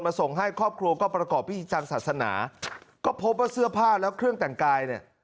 ส่งให้ครอบครัวก็ประกอบพิธีทางศาสนาก็พบว่าเสื้อผ้าแล้วเครื่องแต่งกายเนี่ย